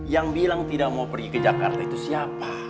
yang bilang tidak mau pergi ke jakarta itu siapa